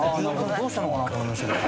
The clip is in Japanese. どうしたのかなと思いましたけど。